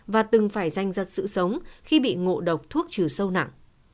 và từng phải danh dật sự sống khi bị ngộ độc thuốc trừ sâu nặng